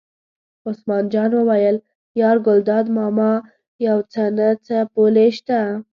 عثمان جان وویل: یار ګلداد ماما یو څه نه څه پولې شته.